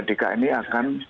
dekat ini akan